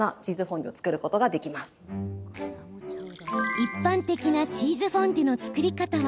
一般的なチーズフォンデュの作り方は